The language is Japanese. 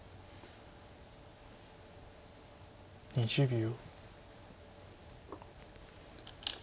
２０秒。